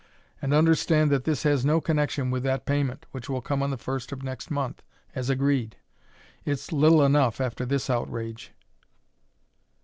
And understand that this has no connection with that payment, which will come on the first of next month, as agreed. It's little enough, after this outrage."